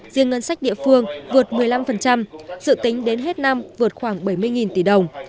riêng ngân sách địa phương vượt một mươi năm dự tính đến hết năm vượt khoảng bảy mươi tỷ đồng